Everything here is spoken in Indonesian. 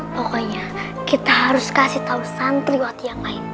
pokoknya kita harus kasih tau santri waktu yang lain